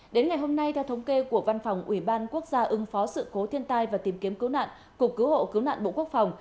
đến ngày hôm nay theo thống kê của văn phòng ủy ban quốc gia ứng phó sự cố thiên tai và tìm kiếm cứu nạn cục cứu hộ cứu nạn bộ quốc phòng